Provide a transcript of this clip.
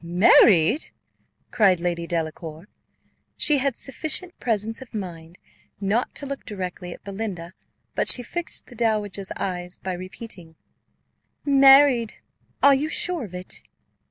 "Married!" cried Lady Delacour: she had sufficient presence of mind not to look directly at Belinda; but she fixed the dowager's eyes, by repeating, "Married! Are you sure of it?"